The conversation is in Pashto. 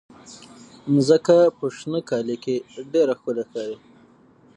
مځکه په شنه کالي کې ډېره ښکلې ښکاري.